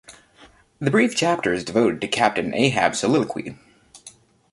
The brief chapter is devoted to Captain Ahab's soliloquy.